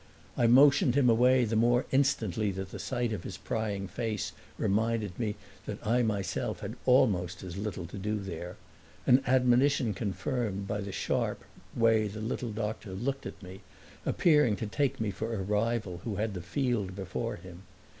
I motioned him away the more instantly that the sight of his prying face reminded me that I myself had almost as little to do there an admonition confirmed by the sharp way the little doctor looked at me, appearing to take me for a rival who had the field before him.